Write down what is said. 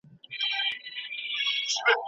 ما پیاله درکړله تا ته